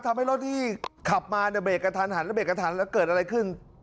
ทำให้รถที่ขับมาเนี่ยเบรกกระทันหันแล้วเบรกกระทันแล้วเกิดอะไรขึ้น